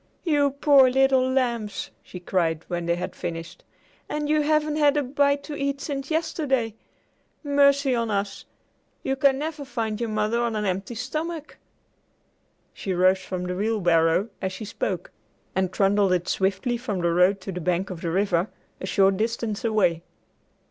"You poor little lambs!" she cried, when they had finished, "and you haven't had a bite to eat since yesterday! Mercy on us! You can never find your mother on an empty stomach!" She rose from the wheelbarrow, as she spoke, and trundled it swiftly from the road to the bank of the river, a short distance away.